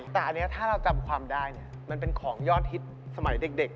แต่อันนี้ถ้าเราจำความได้เนี่ยมันเป็นของยอดฮิตสมัยเด็ก